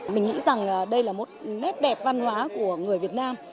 mình nghĩ rằng đây là một nét đẹp văn hóa của người việt nam